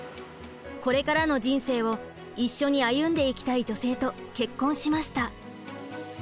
これからの人生を一緒に歩んでいきたい女性と結婚しました。